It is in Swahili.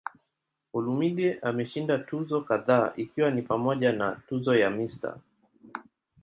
Olumide ameshinda tuzo kadhaa ikiwa ni pamoja na tuzo ya "Mr.